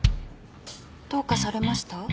どうかされました？